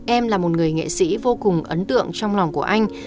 em là một người nghệ sĩ vô cùng ấn tượng trong lòng của anh